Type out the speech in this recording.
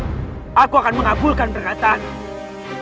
baiklah aku akan mengabulkan perhatianmu